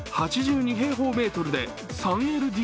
８２平方メートルで３ＬＤＫ。